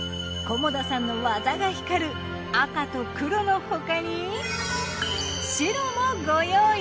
菰田さんの技が光る赤と黒の他に白もご用意。